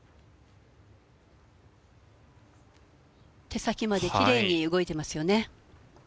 手先まできれいに動いてますよね。